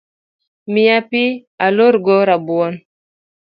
Mia pi alorgo rabuon